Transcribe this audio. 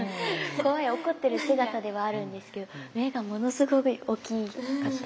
怖い怒ってる姿ではあるんですけど目がものすごい大きかったり。